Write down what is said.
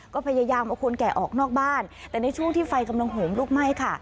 ก็พยายามเอาคนแก่ออกนอกบ้านแต่ในช่วงที่ไฟกำลังโหมลุกไหม้ค่ะ